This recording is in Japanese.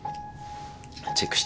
チェックして。